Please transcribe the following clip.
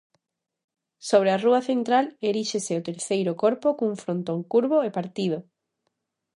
Sobre a rúa central eríxese o terceiro corpo cun frontón curvo e partido.